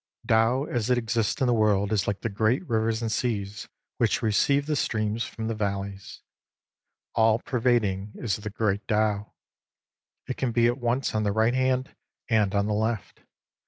Tao as it exists in the world is like the great rivers and seas which receive the streams from the valleys. All pervading is the Great Tao. It can be at once on the right hand and on the left.